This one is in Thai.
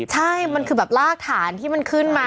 ใช่มันคือแบบรากฐานที่มันขึ้นมา